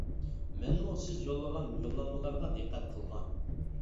مەنمۇ سىز يوللىغان يوللانمىلارغا دىققەت قىلغان.